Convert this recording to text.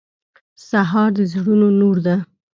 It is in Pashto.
سهار د زړونو نور ده.